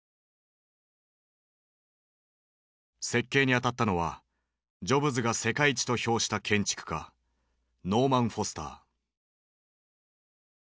設計に当たったのはジョブズが世界一と評した建築家ノーマン・フォスター。